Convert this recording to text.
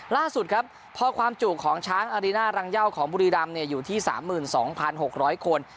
ล่าสุดครับพอความจุของช้างอารีน่ารังเยาของบุรีรำอยู่ที่๓๒๖๐๐คน